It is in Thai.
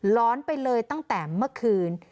ร้อนไปเลยตั้งแต่เมื่อคืน